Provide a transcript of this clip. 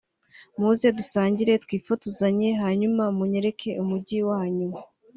muze dusangire twifotozanye hanyuma munyereke umujyi wanyu